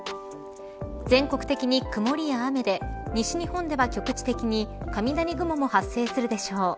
全国的に曇りや雨で西日本では局地的に雷雲も発生するでしょう。